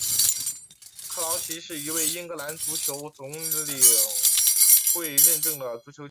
克劳奇是一位英格兰足球总会认证的足球教练。